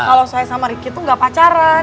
kalau saya sama ripki tuh gak pacaran